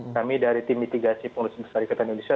kami dari tim mitigasi pengurus besar ikatan indonesia